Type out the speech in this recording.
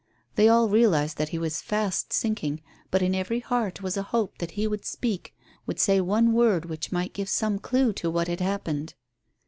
They all realized that he was fast sinking, but in every heart was a hope that he would speak, would say one word which might give some clue to what had happened.